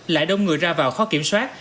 lại đông người ra vào khó kiểm soát